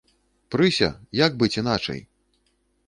Прыся, як быць іначай?